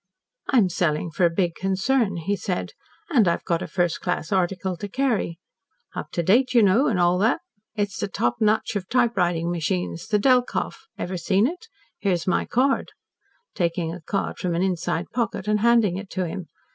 "I'm selling for a big concern," he said, "and I've got a first class article to carry. Up to date, you know, and all that. It's the top notch of typewriting machines, the Delkoff. Ever seen it? Here's my card," taking a card from an inside pocket and handing it to him.